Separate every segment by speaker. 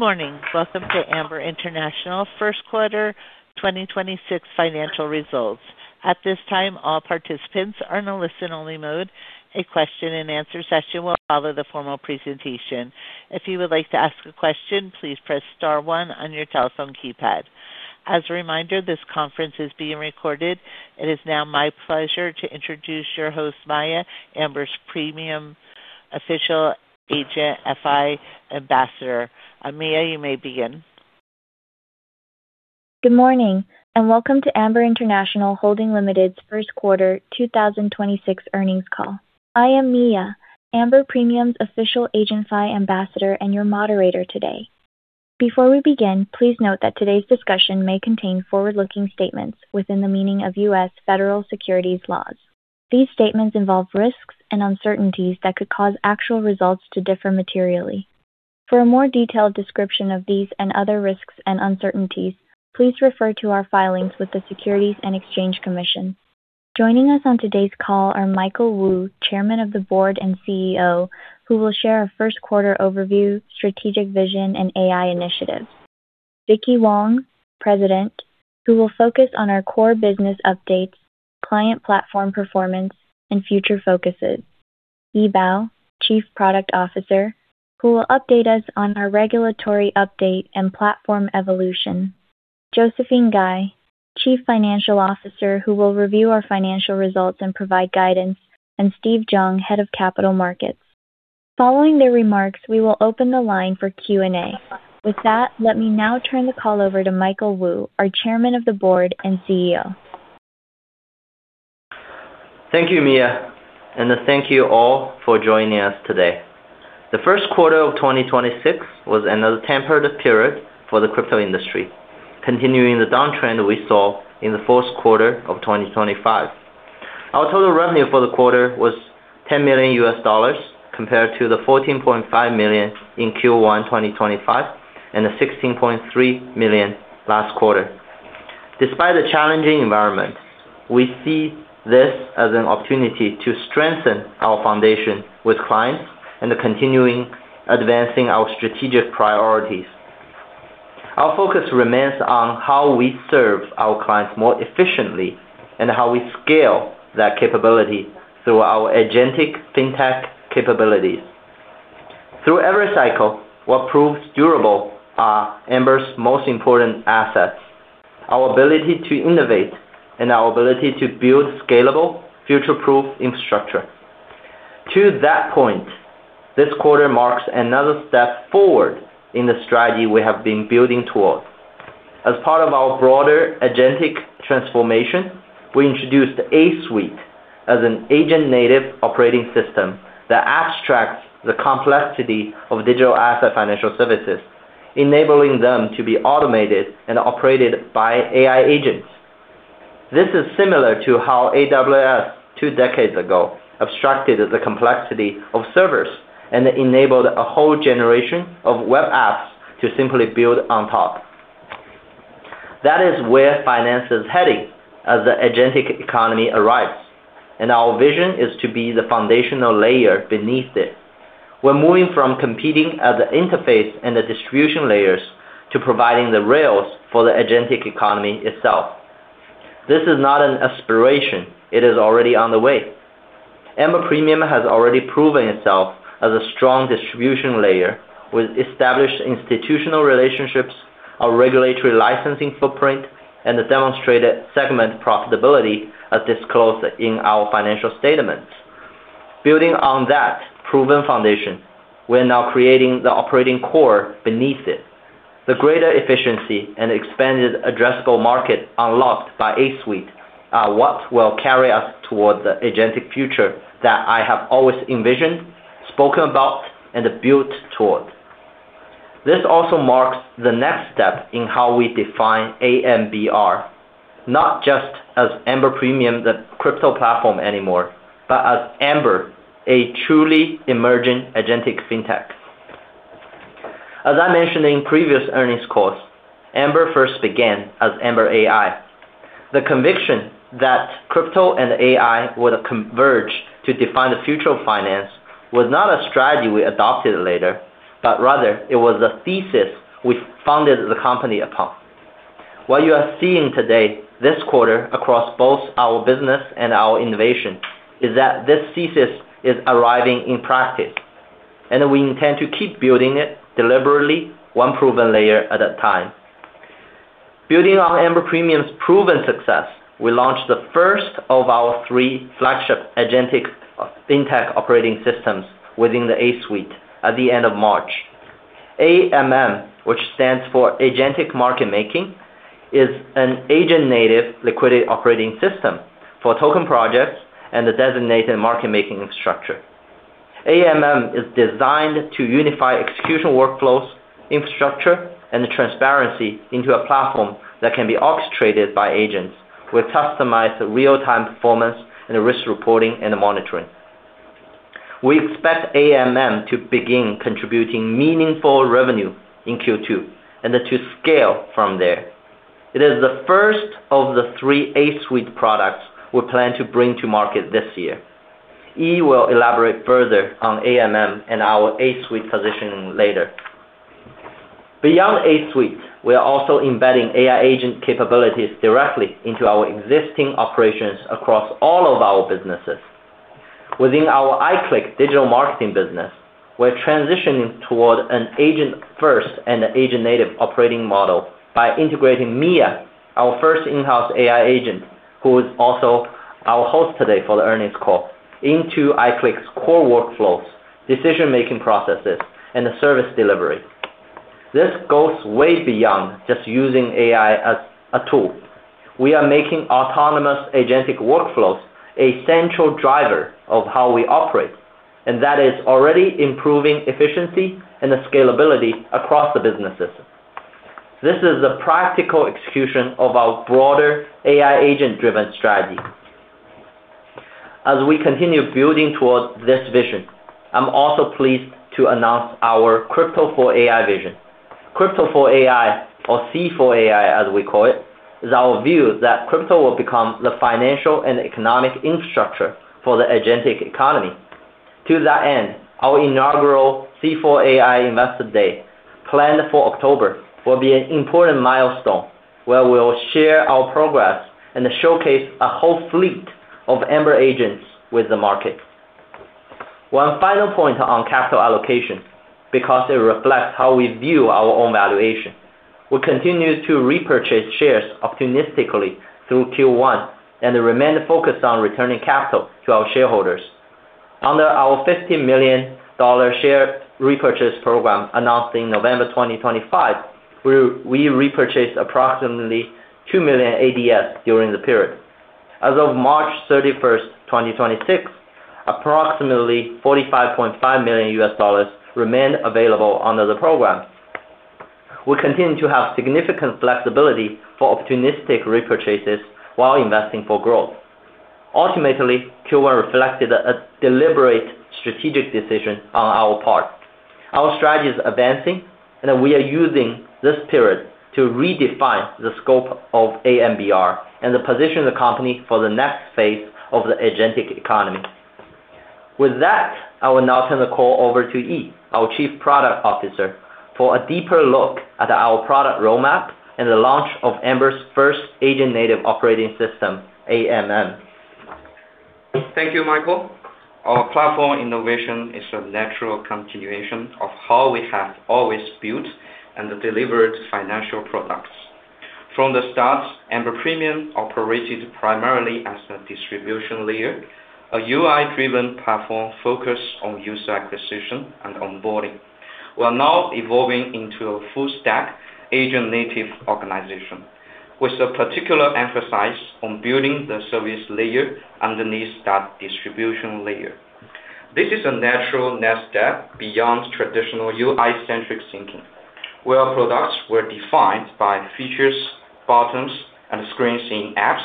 Speaker 1: Good morning. Welcome to Amber International first quarter 2026 financial results. At this time, all participants are in a listen-only mode. A question-and-answer session will follow the formal presentation. If you would like to ask a question please press star one on your telephone keypad. As a reminder, this conference is being recorded. It is now my pleasure to introduce your host, MIA, Amber Premium official AgentFi Ambassador. MIA, you may begin.
Speaker 2: Good morning, and welcome to Amber International Holding Limited's first quarter 2026 earnings call. I am MIA, Amber Premium's official AgentFi Ambassador, and your moderator today. Before we begin, please note that today's discussion may contain forward-looking statements within the meaning of U.S. federal securities laws. These statements involve risks and uncertainties that could cause actual results to differ materially. For a more detailed description of these and other risks and uncertainties, please refer to our filings with the Securities and Exchange Commission. Joining us on today's call are Michael Wu, Chairman of the Board and CEO, who will share a first quarter overview, strategic vision, and AI initiatives. Vicky Wang, President, who will focus on our core business updates, client platform performance, and future focuses. Yi Bao, Chief Product Officer, who will update us on our regulatory update and platform evolution. Josephine Ngai, Chief Financial Officer, who will review our financial results and provide guidance, and Steve Zhang, Head of Capital Markets. Following their remarks, we will open the line for Q&A. With that, let me now turn the call over to Michael Wu, our Chairman of the Board and CEO.
Speaker 3: Thank you, MIA, and thank you all for joining us today. The first quarter of 2026 was another temperate period for the crypto industry, continuing the downtrend we saw in the fourth quarter of 2025. Our total revenue for the quarter was $10 million compared to the $14.5 million in Q1 2025, and the $16.3 million last quarter. Despite the challenging environment, we see this as an opportunity to strengthen our foundation with clients and continuing advancing our strategic priorities. Our focus remains on how we serve our clients more efficiently and how we scale that capability through our agentic fintech capabilities. Through every cycle, what proves durable are Amber's most important assets, our ability to innovate, and our ability to build scalable, future-proof infrastructure. To that point, this quarter marks another step forward in the strategy we have been building towards. As part of our broader agentic transformation, we introduced A-Suite as an agent-native operating system that abstracts the complexity of digital asset financial services, enabling them to be automated and operated by AI agents. This is similar to how AWS two decades ago abstracted the complexity of servers and enabled a whole generation of web apps to simply build on top. That is where finance is heading as the agentic economy arrives. Our vision is to be the foundational layer beneath it. We're moving from competing at the interface and the distribution layers to providing the rails for the agentic economy itself. This is not an aspiration. It is already on the way. Amber Premium has already proven itself as a strong distribution layer with established institutional relationships, a regulatory licensing footprint, and a demonstrated segment profitability as disclosed in our financial statements. Building on that proven foundation, we are now creating the operating core beneath it. The greater efficiency and expanded addressable market unlocked by A-Suite are what will carry us towards the agentic future that I have always envisioned, spoken about, and built toward. This also marks the next step in how we define AMBR, not just as Amber Premium, the crypto platform anymore, but as Amber, a truly emerging agentic fintech. As I mentioned in previous earnings calls, Amber first began as Amber AI. The conviction that crypto and AI would converge to define the future of finance was not a strategy we adopted later, but rather it was a thesis we founded the company upon. What you are seeing today, this quarter, across both our business and our innovation, is that this thesis is arriving in practice, and we intend to keep building it deliberately, one proven layer at a time. Building on Amber Premium's proven success, we launched the first of our three flagship agentic fintech operating systems within the A-Suite at the end of March. A-MM, which stands for Agentic Market Making, is an agent-native liquidity operating system for token projects and the designated market-making infrastructure. A-MM is designed to unify execution workflows, infrastructure, and transparency into a platform that can be orchestrated by agents with customized real-time performance and risk reporting and monitoring. We expect A-MM to begin contributing meaningful revenue in Q2, and then to scale from there. It is the first of the three A-Suite products we plan to bring to market this year. Yi will elaborate further on A-MM and our A-Suite positioning later. Beyond A-Suite, we are also embedding AI agent capabilities directly into our existing operations across all of our businesses. Within our iClick digital marketing business, we're transitioning toward an agent first and agent-native operating model by integrating MIA, our first in-house AI agent, who is also our host today for the earnings call, into iClick's core workflows, decision-making processes, and service delivery. This goes way beyond just using AI as a tool. We are making autonomous agentic workflows a central driver of how we operate, and that is already improving efficiency and the scalability across the businesses. This is a practical execution of our broader AI agent-driven strategy. As we continue building towards this vision, I'm also pleased to announce our Crypto for AI vision. Crypto for AI, or C4AI, as we call it, is our view that crypto will become the financial and economic infrastructure for the agentic economy. To that end, our inaugural C4AI Investor Day, planned for October, will be an important milestone where we'll share our progress and showcase a whole fleet of Amber agents with the market. One final point on capital allocation, because it reflects how we view our own valuation. We continue to repurchase shares opportunistically through Q1, and remain focused on returning capital to our shareholders. Under our $50 million share repurchase program announced in November 2025, we repurchased approximately 2 million ADSs during the period. As of March 31st, 2026, approximately $45.5 million remain available under the program. We continue to have significant flexibility for opportunistic repurchases while investing for growth. Ultimately, Q1 reflected a deliberate strategic decision on our part. Our strategy is advancing, and we are using this period to redefine the scope of AMBR and position the company for the next phase of the agentic economy. With that, I will now turn the call over to Yi, our Chief Product Officer, for a deeper look at our product roadmap and the launch of Amber's first agent-native operating system, A-MM.
Speaker 4: Thank you, Michael. Our platform innovation is a natural continuation of how we have always built and delivered financial products. From the start, Amber Premium operated primarily as a distribution layer, a UI-driven platform focused on user acquisition and onboarding. We are now evolving into a full stack agent-native organization with a particular emphasis on building the service layer underneath that distribution layer. This is a natural next step beyond traditional UI-centric thinking, where products were defined by features, buttons, and screens in apps,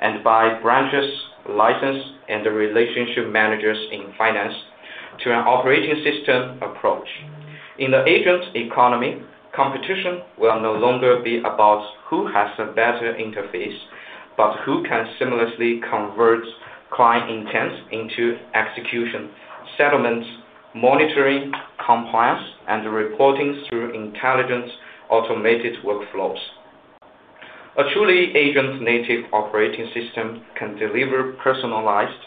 Speaker 4: and by branches, license, and the relationship managers in finance to an operating system approach. In the agent economy, competition will no longer be about who has a better interface, but who can seamlessly convert client intents into execution, settlements, monitoring, compliance, and reporting through intelligent automated workflows. A truly agent-native operating system can deliver personalized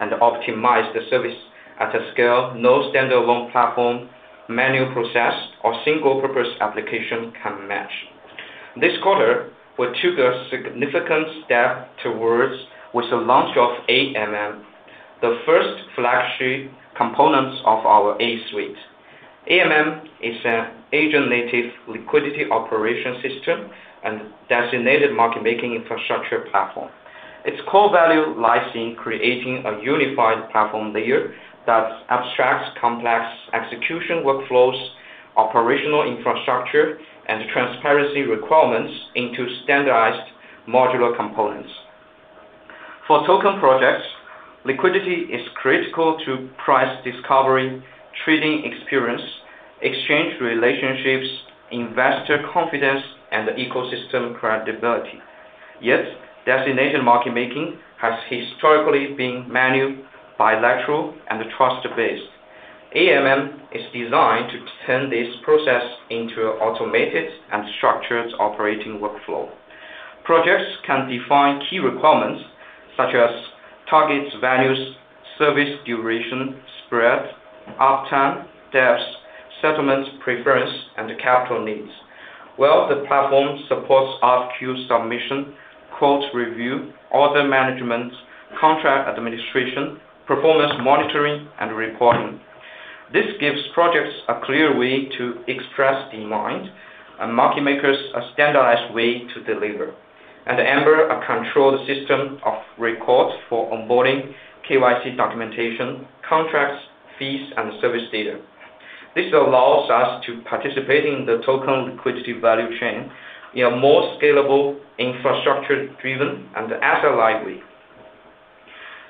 Speaker 4: and optimize the service at a scale no standalone platform, manual process, or single-purpose application can match. This quarter, we took a significant step towards with the launch of A-MM, the first flagship component of our A-Suite. A-MM is an agent-native liquidity operation system and designated market-making infrastructure platform. Its core value lies in creating a unified platform layer that abstracts complex execution workflows, operational infrastructure, and transparency requirements into standardized modular components. For token projects, liquidity is critical to price discovery, trading experience, exchange relationships, investor confidence, and ecosystem credibility. Yet, designated market-making has historically been manual, bilateral, and trust-based. A-MM is designed to turn this process into an automated and structured operating workflow. Projects can define key requirements such as targets, values, service duration, spread, uptime, depths, settlement preference, and capital needs, while the platform supports RFQ submission, quote review, order management, contract administration, performance monitoring, and reporting. This gives projects a clear way to express demand and market makers a standardized way to deliver, and Amber a controlled system of record for onboarding KYC documentation, contracts, fees, and service data. This allows us to participate in the token liquidity value chain in a more scalable, infrastructure-driven, and agile way.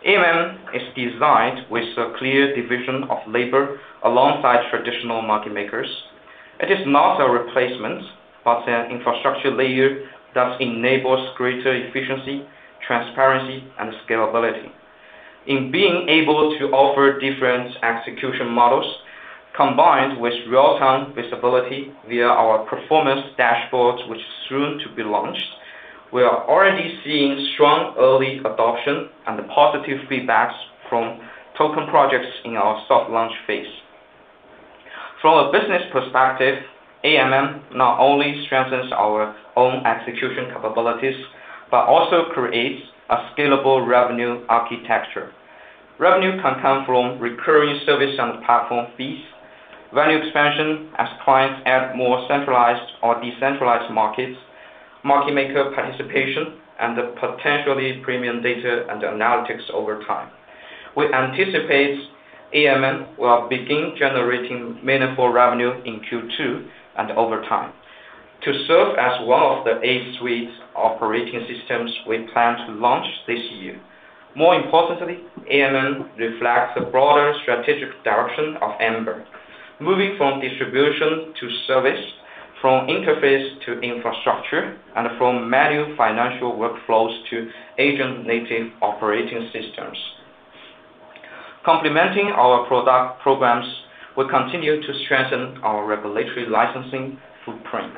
Speaker 4: A-MM is designed with a clear division of labor alongside traditional market makers. It is not a replacement, but an infrastructure layer that enables greater efficiency, transparency, and scalability. In being able to offer different execution models combined with real-time visibility via our performance dashboards, which is soon to be launched, we are already seeing strong early adoption and positive feedback from token projects in our soft launch phase. From a business perspective, A-MM not only strengthens our own execution capabilities, but also creates a scalable revenue architecture. Revenue can come from recurring service and platform fees, value expansion as clients add more centralized or decentralized markets, market maker participation, and potentially premium data and analytics over time. We anticipate A-MM will begin generating meaningful revenue in Q2 and over time to serve as one of the A-Suite operating systems we plan to launch this year. More importantly, A-MM reflects the broader strategic direction of Amber, moving from distribution to service, from interface to infrastructure, and from manual financial workflows to agent-native operating systems. Complementing our product programs, we continue to strengthen our regulatory licensing footprint.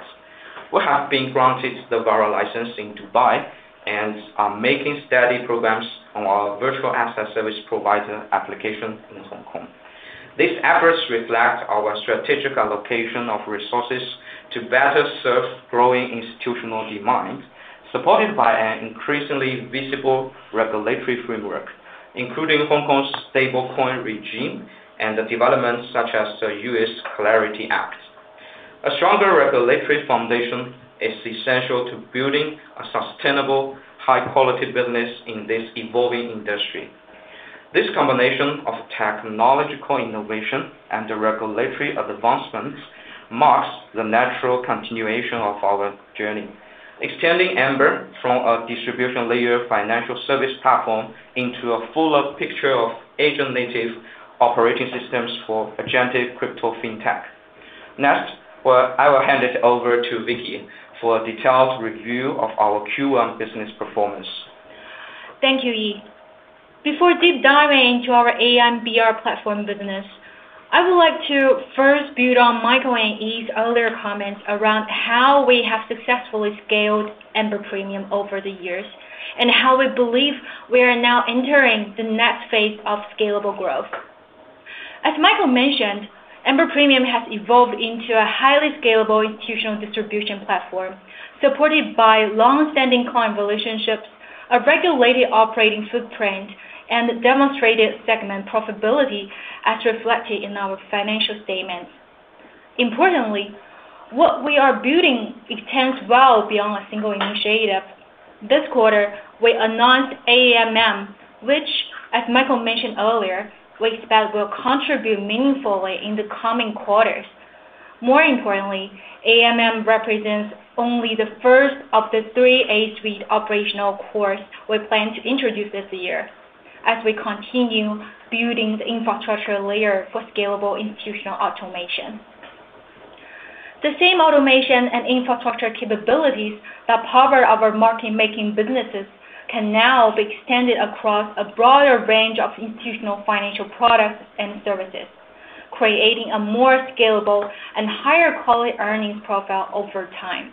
Speaker 4: We have been granted the VARA license in Dubai and are making steady progress on our virtual asset service provider application in Hong Kong. These efforts reflect our strategic allocation of resources to better serve growing institutional demands, supported by an increasingly visible regulatory framework, including Hong Kong's stablecoin regime and developments such as the U.S. CLARITY Act. A stronger regulatory foundation is essential to building a sustainable, high-quality business in this evolving industry. This combination of technological innovation and regulatory advancements marks the natural continuation of our journey, extending Amber from a distribution layer financial service platform into a fuller picture of agent-native operating systems for agent crypto fintech. Next, I will hand it over to Vicky for a detailed review of our Q1 business performance.
Speaker 5: Thank you, Yi. Before deep diving into our AMBR platform business, I would like to first build on Michael and Yi's earlier comments around how we have successfully scaled Amber Premium over the years, and how we believe we are now entering the next phase of scalable growth. As Michael mentioned, Amber Premium has evolved into a highly scalable institutional distribution platform supported by long-standing client relationships, a regulated operating footprint, and demonstrated segment profitability, as reflected in our financial statements. Importantly, what we are building extends well beyond a single initiative. This quarter, we announced A-MM, which, as Michael mentioned earlier, we expect will contribute meaningfully in the coming quarters. More importantly, A-MM represents only the first of the three A-Suite operational cores we plan to introduce this year as we continue building the infrastructure layer for scalable institutional automation. The same automation and infrastructure capabilities that power our market-making businesses can now be extended across a broader range of institutional financial products and services, creating a more scalable and higher-quality earnings profile over time.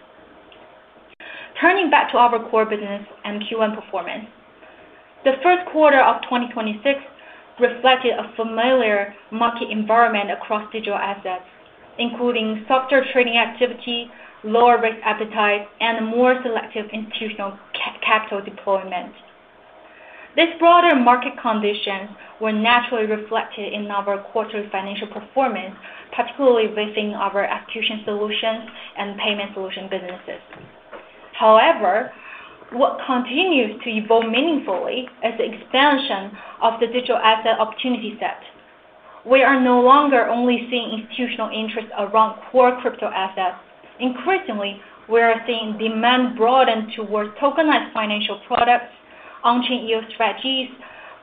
Speaker 5: Turning back to our core business and Q1 performance. The first quarter of 2026 reflected a familiar market environment across digital assets, including softer trading activity, lower risk appetite, and more selective institutional capital deployment. These broader market conditions were naturally reflected in our quarterly financial performance, particularly within our execution solutions and payment solution businesses. What continues to evolve meaningfully is the expansion of the digital asset opportunity set. We are no longer only seeing institutional interest around core crypto assets. Increasingly, we are seeing demand broaden towards tokenized financial products, on-chain yield strategies,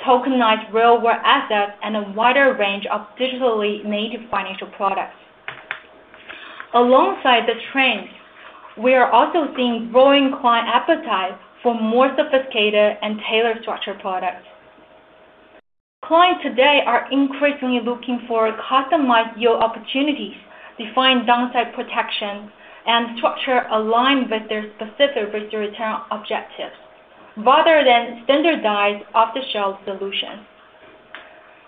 Speaker 5: tokenized real-world assets, and a wider range of digitally native financial products. Alongside the trends, we are also seeing growing client appetite for more sophisticated and tailored structured products. Clients today are increasingly looking for customized yield opportunities, defined downside protection, and structure aligned with their specific risk-return objectives, rather than standardized off-the-shelf solutions.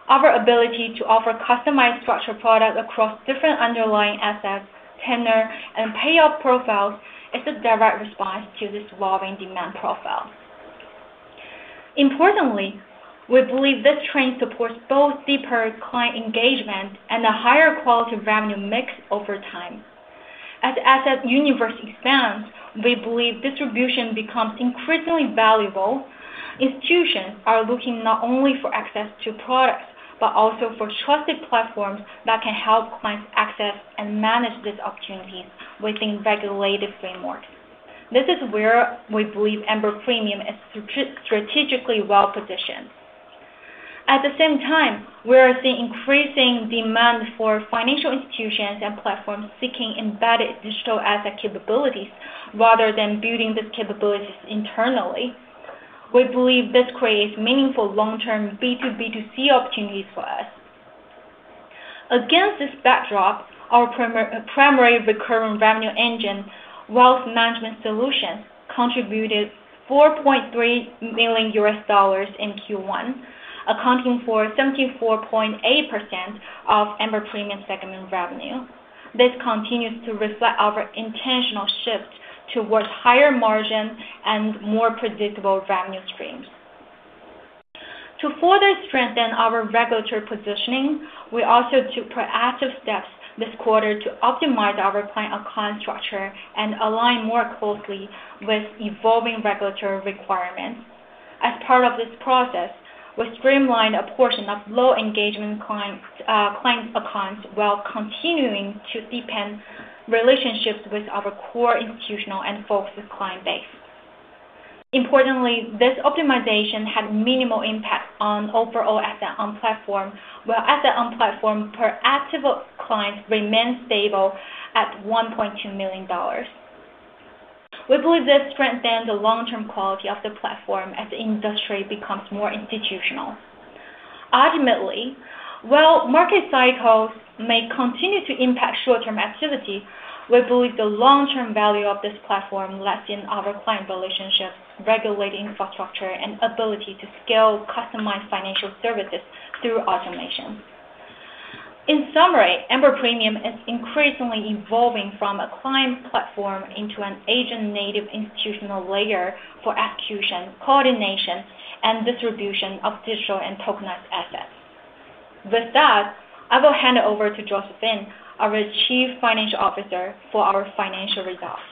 Speaker 5: Our ability to offer customized structured products across different underlying assets, tenure, and payout profiles is a direct response to this evolving demand profile. Importantly, we believe this trend supports both deeper client engagement and a higher quality of revenue mix over time. As asset universe expands, we believe distribution becomes increasingly valuable. Institutions are looking not only for access to products, but also for trusted platforms that can help clients access and manage these opportunities within regulated frameworks. This is where we believe Amber Premium is strategically well-positioned. At the same time, we are seeing increasing demand for financial institutions and platforms seeking embedded digital asset capabilities rather than building these capabilities internally. We believe this creates meaningful long-term B2B2C opportunities for us. Against this backdrop, our primary recurring revenue engine, wealth management solutions, contributed $4.3 million in Q1, accounting for 74.8% of Amber Premium segment revenue. This continues to reflect our intentional shift towards higher margin and more predictable revenue streams. To further strengthen our regulatory positioning, we also took proactive steps this quarter to optimize our client structure and align more closely with evolving regulatory requirements. As part of this process, we streamlined a portion of low-engagement clients' accounts while continuing to deepen relationships with our core institutional and focus client base. Importantly, this optimization had minimal impact on overall asset on platform, where asset on platform per active client remains stable at $1.2 million. We believe this strengthens the long-term quality of the platform as the industry becomes more institutional. Ultimately, while market cycles may continue to impact short-term activity, we believe the long-term value of this platform lies in our client relationships, regulatory infrastructure, and ability to scale customized financial services through automation. In summary, Amber Premium is increasingly evolving from a client platform into an agent-native institutional layer for execution, coordination, and distribution of digital and tokenized assets. With that, I will hand over to Josephine, our Chief Financial Officer, for our financial results.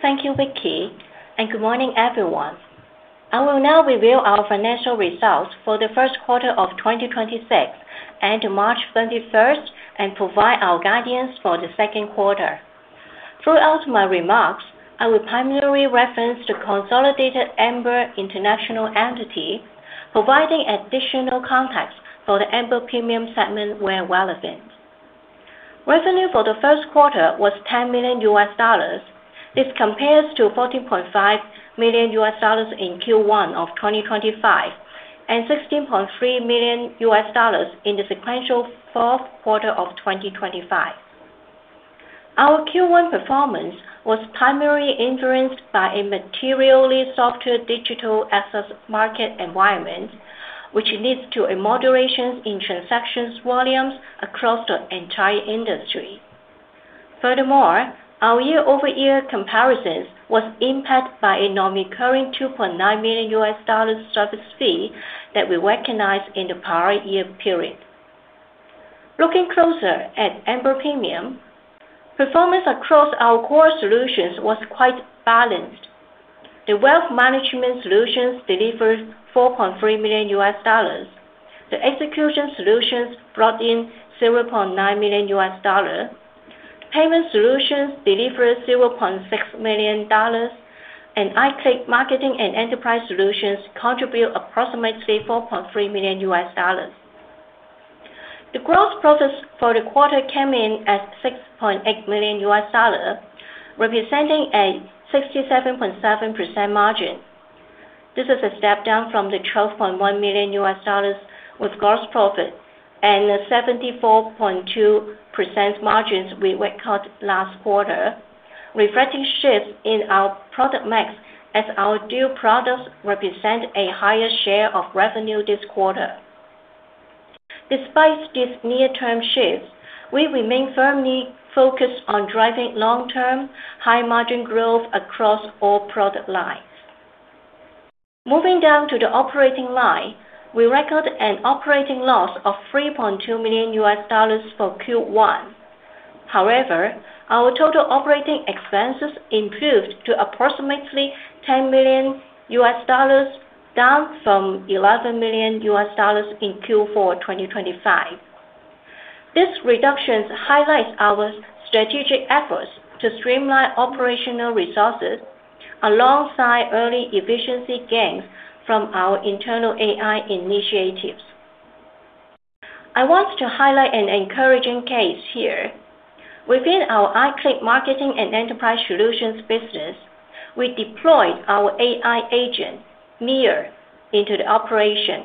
Speaker 6: Thank you, Vicky, and good morning, everyone. I will now review our financial results for the first quarter of 2026 end March 21st and provide our guidance for the second quarter. Throughout my remarks, I will primarily reference the consolidated Amber International entity, providing additional context for the Amber Premium segment where relevant. Revenue for the first quarter was $10 million. This compares to $14.5 million in Q1 of 2025 and $16.3 million in the sequential fourth quarter of 2025. Our Q1 performance was primarily influenced by a materially softer digital assets market environment, which leads to a moderation in transactions volumes across the entire industry. Furthermore, our year-over-year comparisons was impacted by a non-recurring $2.9 million service fee that we recognized in the prior year period. Looking closer at Amber Premium, performance across our core solutions was quite balanced. The wealth management solutions delivered $4.3 million. The execution solutions brought in $0.9 million. Payment solutions delivered $0.6 million, and iClick marketing and enterprise solutions contribute approximately $4.3 million. The gross profits for the quarter came in at $6.8 million, representing a 67.7% margin. This is a step down from the $12.1 million with gross profit and a 74.2% margins we recorded last quarter, reflecting shifts in our product mix as our new products represent a higher share of revenue this quarter. Despite these near-term shifts, we remain firmly focused on driving long-term, high-margin growth across all product lines. Moving down to the operating line, we record an operating loss of $3.2 million for Q1. Our total operating expenses improved to approximately $10 million, down from $11 million in Q4 2025. This reduction highlights our strategic efforts to streamline operational resources alongside early efficiency gains from our internal AI initiatives. I want to highlight an encouraging case here. Within our iClick marketing and enterprise solutions business, we deployed our AI agent, MIA, into the operation.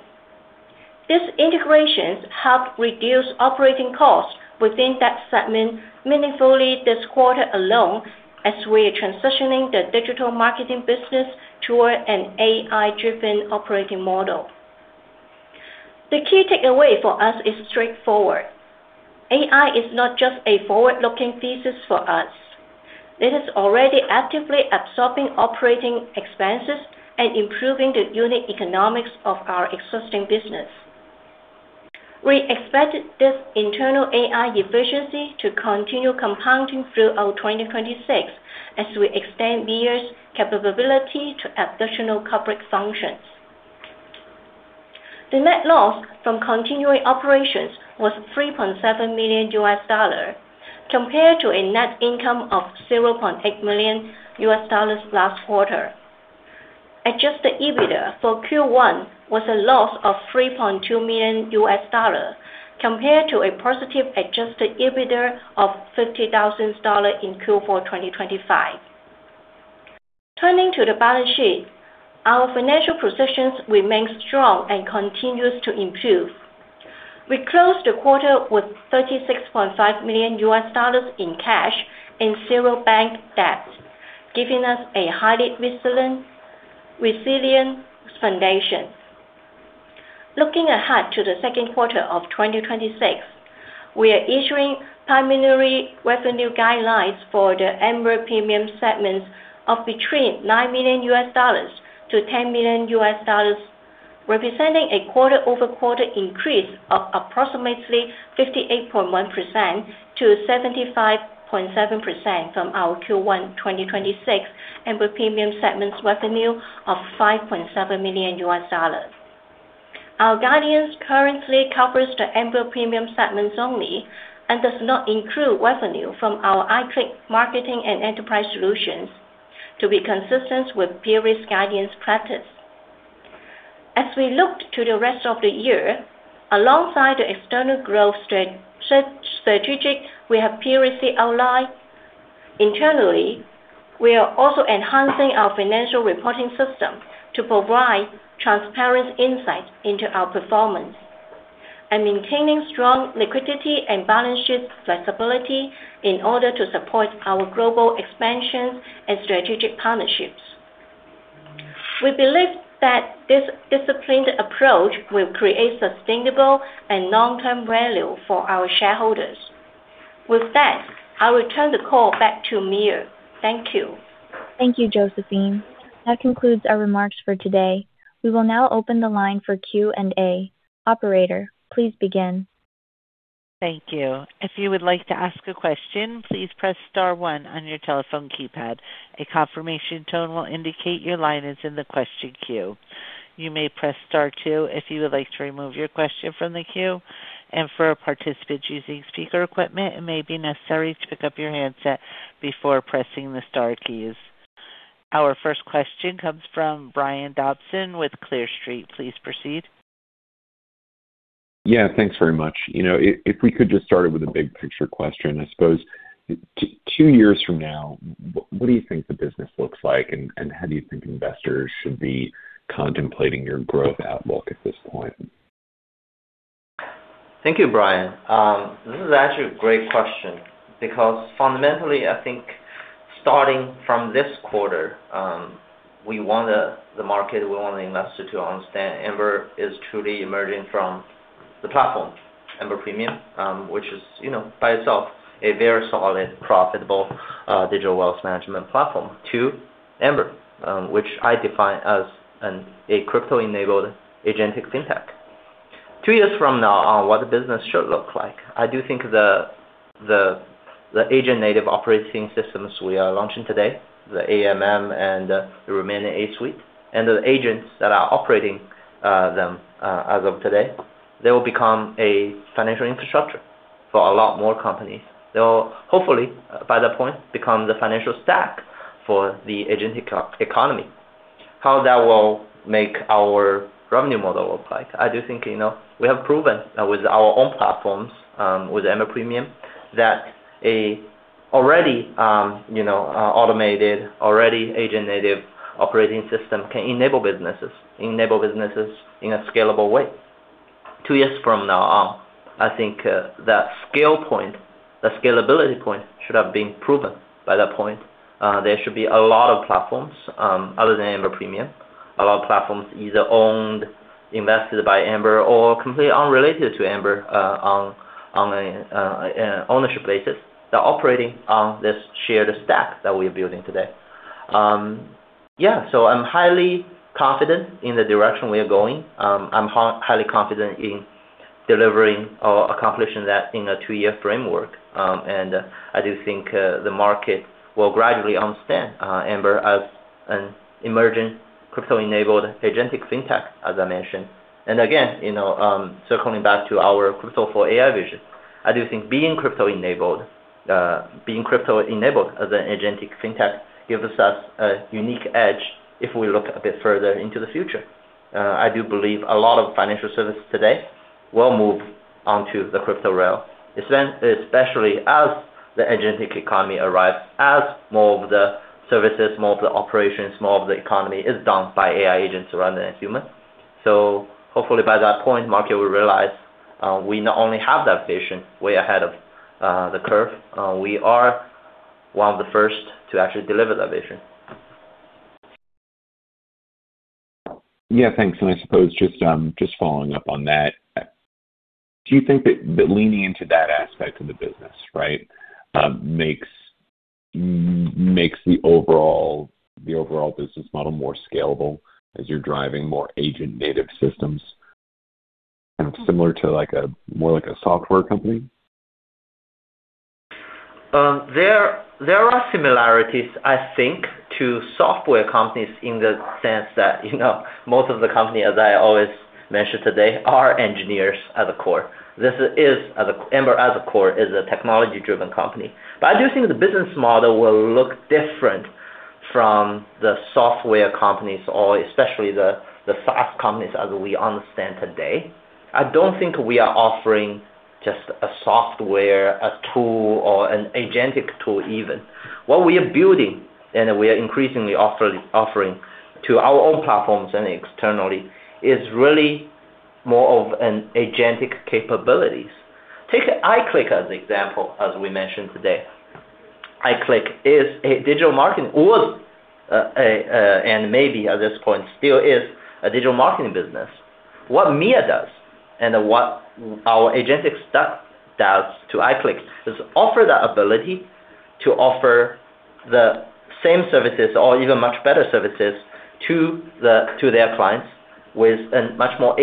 Speaker 6: These integrations helped reduce operating costs within that segment meaningfully this quarter alone as we are transitioning the digital marketing business toward an AI-driven operating model. The key takeaway for us is straightforward. AI is not just a forward-looking thesis for us. It is already actively absorbing operating expenses and improving the unit economics of our existing business. We expect this internal AI efficiency to continue compounding throughout 2026 as we extend MIA's capability to additional corporate functions. The net loss from continuing operations was $3.7 million, compared to a net income of $0.8 million last quarter. Adjusted EBITDA for Q1 was a loss of $3.2 million, compared to a positive adjusted EBITDA of $50,000 in Q4 2025. Turning to the balance sheet, our financial positions remain strong and continues to improve. We closed the quarter with $36.5 million in cash and zero bank debt, giving us a highly resilient foundation. Looking ahead to the second quarter of 2026, we are issuing preliminary revenue guidelines for the Amber Premium segments of between $9 million-$10 million, representing a quarter-over-quarter increase of approximately 58.1%-75.7% from our Q1 2026 Amber Premium segments revenue of $5.7 million. Our guidance currently covers the Amber Premium segments only and does not include revenue from our iClick marketing and enterprise solutions to be consistent with peer risk guidance practice. As we look to the rest of the year, alongside the external growth strategic we have previously outlined, internally, we are also enhancing our financial reporting system to provide transparent insight into our performance and maintaining strong liquidity and balance sheet flexibility in order to support our global expansions and strategic partnerships. We believe that this disciplined approach will create sustainable and long-term value for our shareholders. With that, I will turn the call back to MIA. Thank you.
Speaker 2: Thank you, Josephine. That concludes our remarks for today. We will now open the line for Q&A. Operator, please begin.
Speaker 1: Thank you. If you would like to ask a question please press star one on your telephone keypad. A confirmation tone will indicate your line is in the question queue. You may press star two if you would like to remove your line from the question queue. For participants using speaker speaker equipment it may be necessary to pick up your handset before pressing the star keys. Our first question comes from Brian Dobson with Clear Street. Please proceed.
Speaker 7: Yeah, thanks very much. If we could just start with a big picture question. I suppose, two years from now, what do you think the business looks like, and how do you think investors should be contemplating your growth outlook at this point?
Speaker 3: Thank you, Brian. This is actually a great question because fundamentally, I think starting from this quarter, we want the market, we want the investor to understand Amber International is truly emerging from the platform, Amber Premium, which is by itself a very solid, profitable digital wealth management platform to Amber International, which I define as a crypto-enabled agentic fintech. Two years from now on what the business should look like, I do think the agent-native operating systems we are launching today, the A-MM and the remaining A-Suite, and the agents that are operating them as of today, they will become a financial infrastructure for a lot more companies. They will hopefully, by that point, become the financial stack for the agentic economy. How that will make our revenue model look like, I do think we have proven with our own platforms, with Amber Premium, that a already automated, already agent-native operating system can enable businesses in a scalable way. Two years from now on, I think that scalability point should have been proven by that point. There should be a lot of platforms, other than Amber Premium, a lot of platforms either owned, invested by Amber, or completely unrelated to Amber on an ownership basis, that are operating on this shared stack that we're building today. Yeah. I'm highly confident in the direction we are going. I'm highly confident in delivering or accomplishing that in a two-year framework. I do think the market will gradually understand Amber as an emerging crypto-enabled agentic fintech, as I mentioned. Circling back to our Crypto for AI vision, I do think being crypto-enabled as an agentic fintech gives us a unique edge if we look a bit further into the future. I do believe a lot of financial services today will move onto the crypto rail, especially as the agentic economy arrives, as more of the services, more of the operations, more of the economy is done by AI agents rather than humans. Hopefully by that point, market will realize we not only have that vision way ahead of the curve, we are one of the first to actually deliver that vision.
Speaker 7: Yeah. Thanks. I suppose just following up on that, do you think that leaning into that aspect of the business makes the overall business model more scalable as you're driving more agent-native systems, kind of similar to more like a software company?
Speaker 3: There are similarities, I think, to software companies in the sense that, most of the company, as I always mention today, are engineers at the core. Amber International as a core is a technology-driven company. I do think the business model will look different from the software companies or especially the SaaS companies as we understand today. I don't think we are offering just a software, a tool, or an agentic tool even. What we are building, and we are increasingly offering to our own platforms and externally, is really more of an agentic capabilities. Take iClick as example, as we mentioned today. iClick was and maybe at this point still is a digital marketing business. What MIA does and what our agentic staff does to iClick is offer the ability to offer the same services or even much better services to their clients with a much more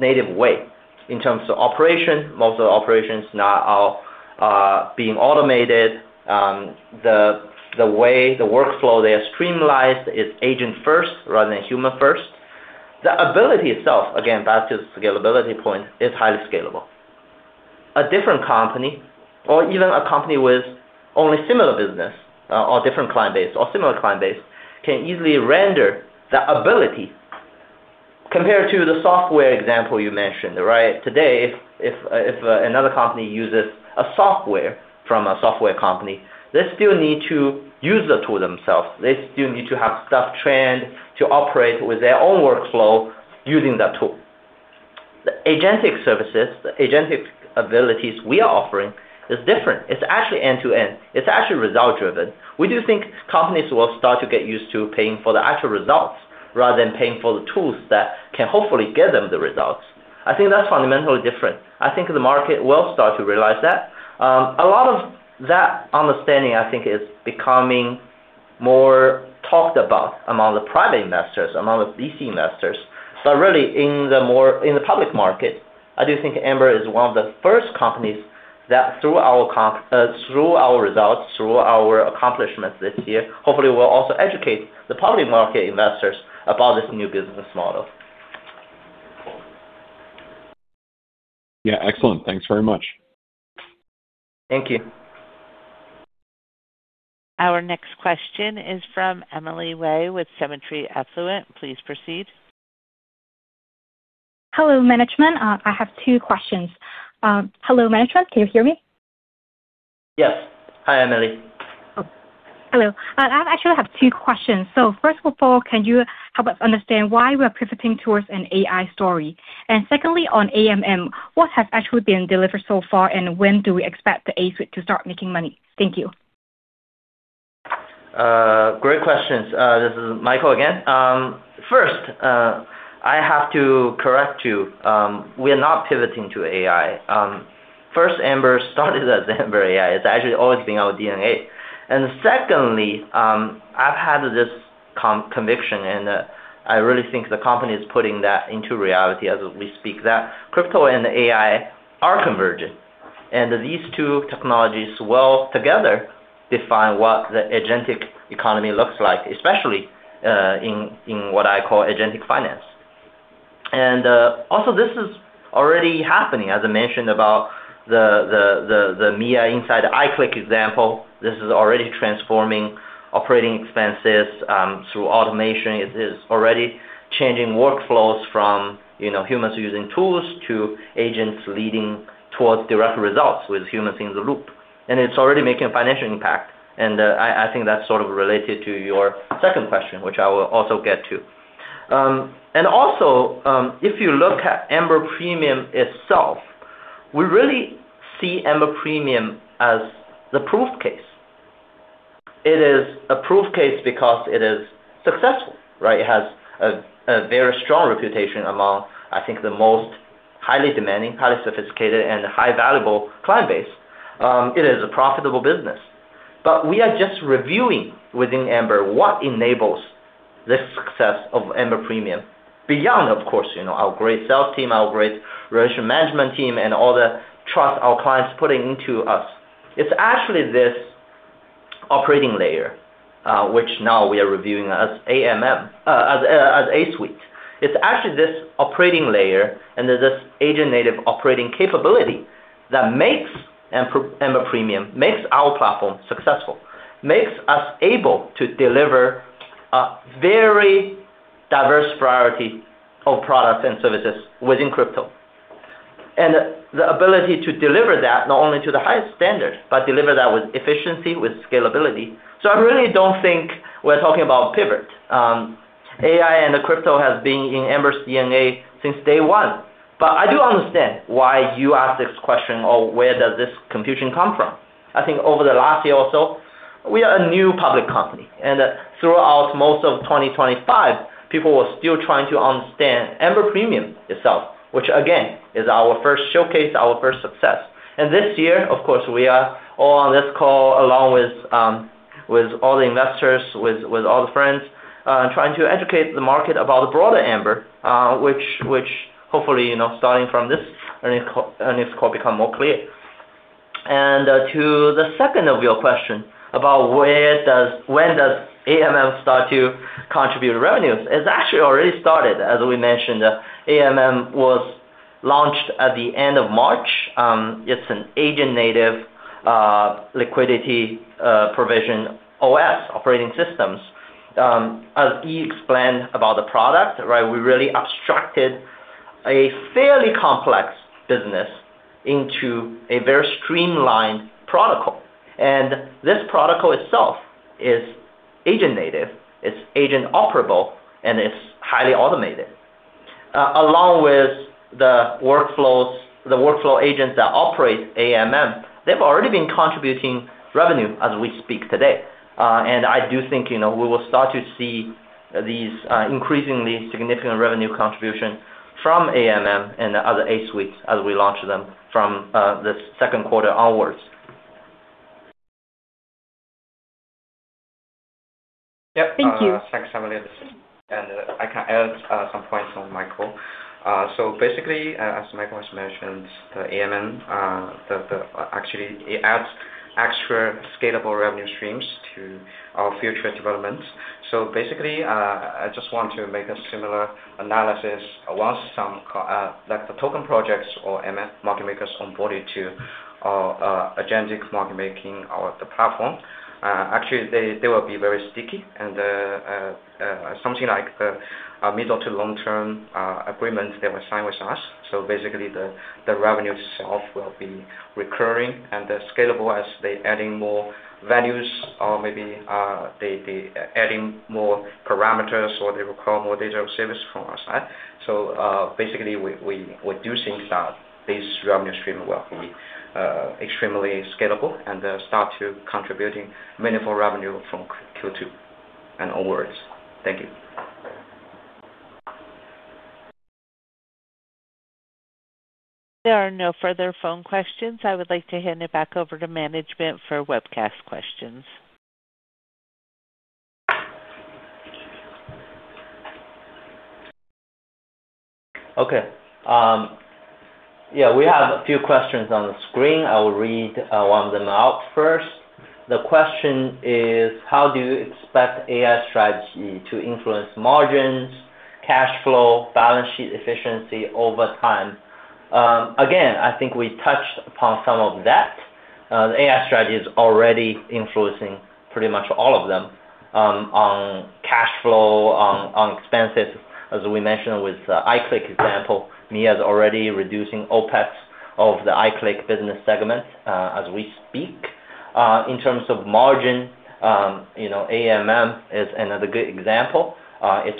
Speaker 3: agent-native way. In terms of operation, most of the operations now are being automated. The way the workflow, they are streamlined, it's agent first rather than human first. The ability itself, again, back to scalability point, is highly scalable. A different company or even a company with only similar business or different client base or similar client base can easily render the ability compared to the software example you mentioned, right? Today, if another company uses a software from a software company, they still need to use the tool themselves. They still need to have staff trained to operate with their own workflow using that tool. The agentic services, the agentic abilities we are offering is different. It's actually end-to-end. It's actually result-driven. We do think companies will start to get used to paying for the actual results rather than paying for the tools that can hopefully get them the results. I think that's fundamentally different. I think the market will start to realize that. A lot of that understanding, I think, is becoming more talked about among the private investors, among the VC investors. Really in the public market, I do think Amber is one of the first companies that through our results, through our accomplishments this year, hopefully will also educate the public market investors about this new business model.
Speaker 7: Yeah, excellent. Thanks very much.
Speaker 3: Thank you.
Speaker 1: Our next question is from Emily Wei with Symmetry Affluent. Please proceed.
Speaker 8: Hello, management. I have two questions. Hello, management. Can you hear me?
Speaker 3: Yes. Hi, Emily.
Speaker 8: Hello. I actually have two questions. First of all, can you help us understand why we are pivoting towards an AI story? Secondly, on A-MM, what has actually been delivered so far, and when do we expect the A-Suite to start making money? Thank you.
Speaker 3: Great questions. This is Michael again. First, I have to correct you. We are not pivoting to AI. First, Amber started as Amber AI. It is actually always been our DNA. Secondly, I have had this conviction, and I really think the company is putting that into reality as we speak, that crypto and AI are convergent. These two technologies well together define what the agentic economy looks like, especially in what I call agentic finance. Also this is already happening, as I mentioned about the MIA inside the iClick example. This is already transforming operating expenses through automation. It is already changing workflows from humans using tools to agents leading towards direct results with humans in the loop. It is already making a financial impact, and I think that is sort of related to your second question, which I will also get to. If you look at Amber Premium itself, we really see Amber Premium as the proof case. It is a proof case because it is successful, right? It has a very strong reputation among, I think, the most highly demanding, highly sophisticated, and high valuable client base. It is a profitable business. We are just reviewing within Amber what enables this success of Amber Premium beyond, of course, our great sales team, our great relationship management team, and all the trust our clients putting into us. It's actually this operating layer, which now we are reviewing as A-Suite. It's actually this operating layer and this agent-native operating capability that makes Amber Premium, makes our platform successful, makes us able to deliver a very diverse priority of products and services within crypto. The ability to deliver that not only to the highest standard, but deliver that with efficiency, with scalability. I really don't think we're talking about pivot. AI and the crypto has been in Amber's DNA since day one. I do understand why you ask this question or where does this confusion come from. I think over the last year or so, we are a new public company, and throughout most of 2025, people were still trying to understand Amber Premium itself, which again, is our first showcase, our first success. This year, of course, we are all on this call with all the investors, with all the friends, trying to educate the market about the broader Amber, which hopefully, starting from this earnings call, become more clear. To the second of your question about when does A-MM start to contribute revenues? It's actually already started. As we mentioned, A-MM was launched at the end of March. It's an agent-native liquidity provision OS, operating systems. As Yi explained about the product, we really abstracted a fairly complex business into a very streamlined protocol. This protocol itself is agent-native, it's agent operable, and it's highly automated. Along with the workflow agents that operate A-MM, they've already been contributing revenue as we speak today. I do think we will start to see these increasingly significant revenue contribution from A-MM and the other A-suites as we launch them from the second quarter onwards.
Speaker 4: Yep.
Speaker 1: Thank you.
Speaker 4: Thanks so much. I can add some points on Michael. Basically, as Michael has mentioned, the A-MM, actually, it adds extra scalable revenue streams to our future developments. Basically, I just want to make a similar analysis. Once the token projects or market makers onboarded to our Agentic Market Making or the platform, actually, they will be very sticky, and something like a middle to long-term agreement they will sign with us. Basically, the revenue itself will be recurring and scalable as they adding more values or maybe they adding more parameters, or they require more data service from our side. Basically, we do think that this revenue stream will be extremely scalable and start to contributing meaningful revenue from Q2 and onwards. Thank you.
Speaker 1: There are no further phone questions. I would like to hand it back over to management for webcast questions.
Speaker 3: Okay. Yeah, we have a few questions on the screen. I will read one of them out first. The question is, how do you expect AI strategy to influence margins, cash flow, balance sheet efficiency over time? Again, I think we touched upon some of that. The AI strategy is already influencing pretty much all of them, on cash flow, on expenses. As we mentioned with iClick example, MIA is already reducing OpEx of the iClick business segment as we speak. In terms of margin, A-MM is another good example. It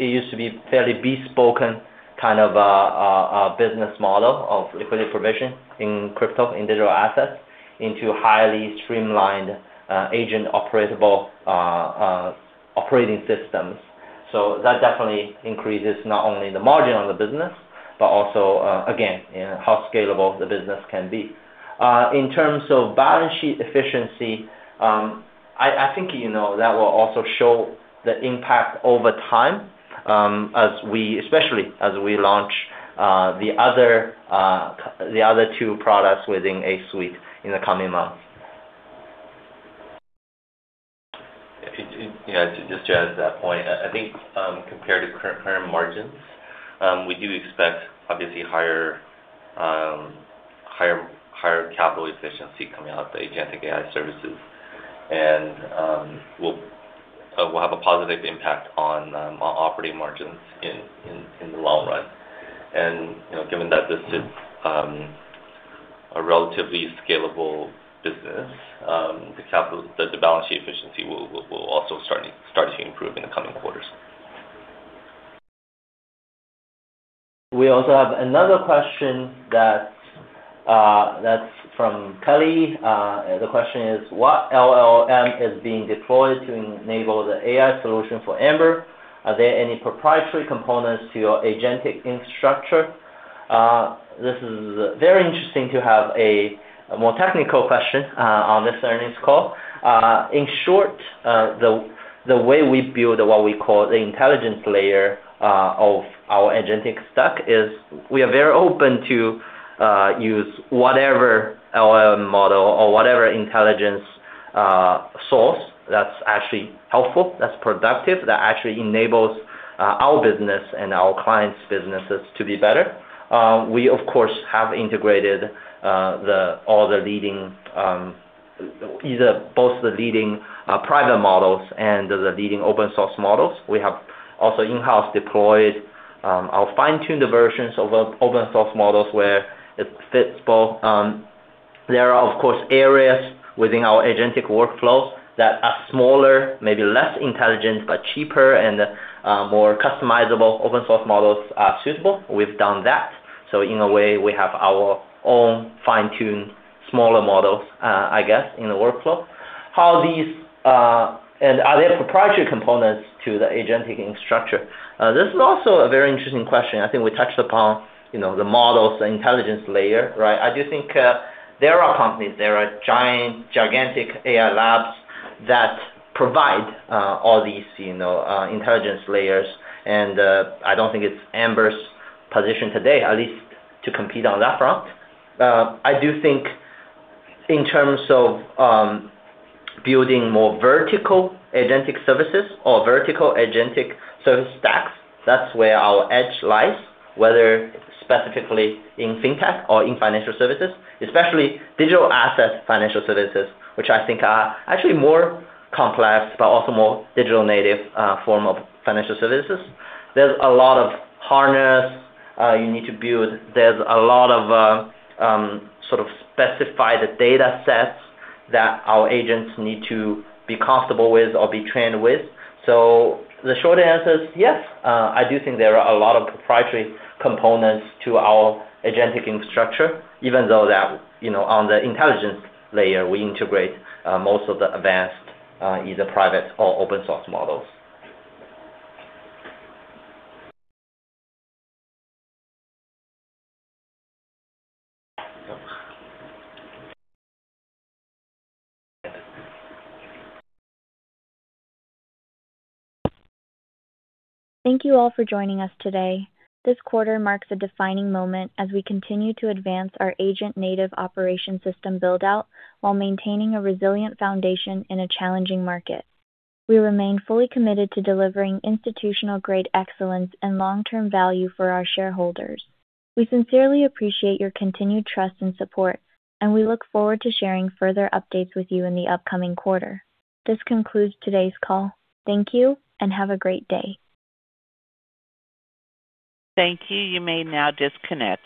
Speaker 3: used to be fairly bespoken kind of a business model of liquidity provision in crypto, in digital assets, into highly streamlined agent operable operating systems. That definitely increases not only the margin on the business, but also, again, how scalable the business can be. In terms of balance sheet efficiency, I think that will also show the impact over time, especially as we launch the other two products within A-Suite in the coming months.
Speaker 9: Yeah. Just to add to that point, I think compared to current margins, we do expect, obviously, higher capital efficiency coming out of the agentic AI services, and will have a positive impact on operating margins in the long run. Given that this is a relatively scalable business, the balance sheet efficiency will also start to improve in the coming quarters.
Speaker 3: We also have another question that's from Kelly. The question is, what LLM is being deployed to enable the AI solution for Amber? Are there any proprietary components to your agentic infrastructure? This is very interesting to have a more technical question on this earnings call. In short, the way we build what we call the intelligence layer of our agentic stack is we are very open to use whatever LLM model or whatever intelligence source that's actually helpful, that's productive, that actually enables our business and our clients' businesses to be better. We, of course, have integrated either both the leading private models and the leading open source models. We have also in-house deployed our fine-tuned versions of open source models where it fits both. There are, of course, areas within our agentic workflows that are smaller, maybe less intelligent, but cheaper and more customizable open source models are suitable. We have done that. In a way, we have our own fine-tuned smaller models, I guess, in the workflow. Are there proprietary components to the agentic infrastructure? This is also a very interesting question. I think we touched upon the models, the intelligence layer, right? I do think there are companies, there are gigantic AI labs that provide all these intelligence layers, and I don't think it is Amber's position today, at least to compete on that front. I do think in terms of building more vertical agentic services or vertical agentic service stacks, that's where our edge lies, whether specifically in fintech or in financial services, especially digital asset financial services, which I think are actually more complex, but also more digital native form of financial services. There's a lot of harness you need to build. There's a lot of sort of specified datasets that our agents need to be comfortable with or be trained with. The short answer is yes. I do think there are a lot of proprietary components to our agentic infrastructure, even though that on the intelligence layer, we integrate most of the advanced, either private or open source models.
Speaker 2: Thank you all for joining us today. This quarter marks a defining moment as we continue to advance our agent-native operating system build-out while maintaining a resilient foundation in a challenging market. We remain fully committed to delivering institutional-grade excellence and long-term value for our shareholders. We sincerely appreciate your continued trust and support, and we look forward to sharing further updates with you in the upcoming quarter. This concludes today's call. Thank you and have a great day.
Speaker 1: Thank you. You may now disconnect.